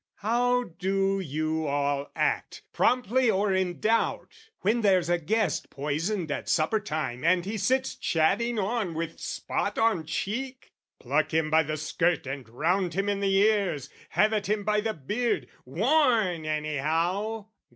How do you all act, promptly or in doubt, When there's a guest poisoned at supper time And he sits chatting on with spot on cheek? "Pluck him by the skirt, and round him in the ears, "Have at him by the beard, warn anyhow!"